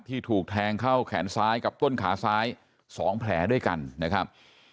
ถูกแทงเข้าแขนซ้ายกับต้นขาซ้าย๒แผลด้วยกันนะครับ